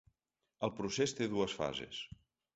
El procés té dues fases.